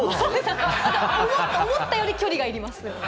思ったより距離がいります。